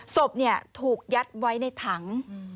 ศพถูกยัดไว้ในถัง